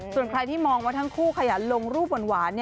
ส่วนใครที่มองว่าทั้งคู่ขยันลงรูปหวาน